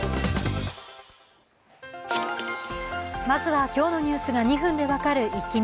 まずは今日のニュースが２分で分かるイッキ見。